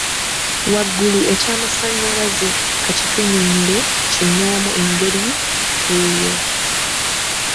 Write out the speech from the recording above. Waggulu ekyamasannyalaze ka kitunnyonnyole kinomu ngeri eyo.